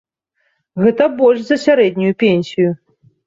Гэта больш за сярэднюю пенсію!